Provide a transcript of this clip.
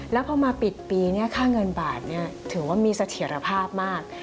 แล้วพอมาปิดปีค่าเงินบาทถือว่ามีเสถียรภาพมาก